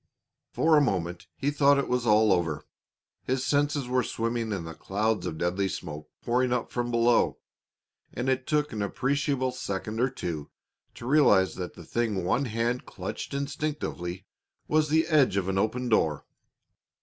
For a moment he thought it was all over. His senses were swimming in the clouds of deadly smoke pouring up from below, and it took an appreciable second or two to realize that the thing one hand clutched instinctively was the edge of an open door.